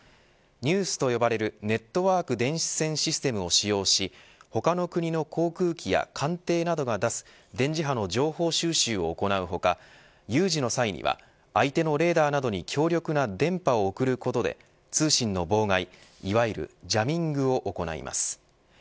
ＮＥＷＳとよばれるネットワーク電子戦システムを使用し他の国の航空機や艦艇などが出す電磁波の情報収集を行う他有事の際には相手のレーダーなどに強力な電波を送ることで通信の妨害いわゆるジャミングを行います。